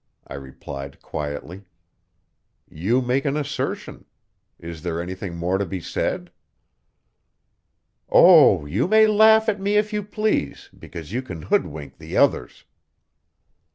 I replied quietly. "You make an assertion. Is there anything more to be said?" "Oh, you may laugh at me if you please, because you can hoodwink the others."